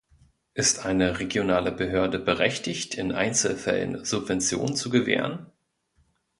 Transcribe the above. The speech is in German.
Ist eine regionale Behörde berechtigt, in Einzelfällen Subventionen zu gewähren?